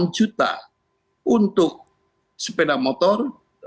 delapan juta untuk sepeda motor